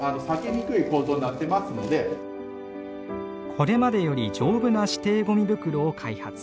これまでより丈夫な指定ゴミ袋を開発。